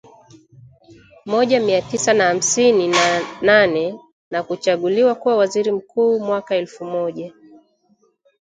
moja miatisa na hamsini na nane na kuchaguliwa kuwa waziri mkuu mwaka Elfu moja